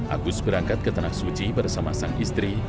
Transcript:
agus berangkat ke tanah suci bersama sang istri